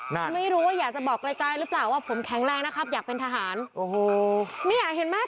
ไม่รู้ว่าอยากจะบอกไกลไกลหรือเปล่าว่าผมแข็งแรงนะครับอยากเป็นทหารโอ้โหเนี่ยเห็นไหม